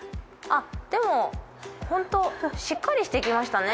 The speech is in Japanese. でもホントしっかりしてきましたね。